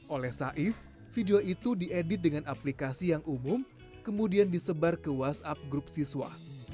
oleh saif video itu diedit dengan aplikasi yang umum kemudian disebar ke whatsapp grup siswa